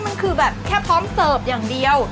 มันคือแบบแค่พร้อมเสิร์ฟอย่างเดียว